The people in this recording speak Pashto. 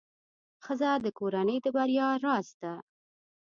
ښځه د کورنۍ د بریا راز ده.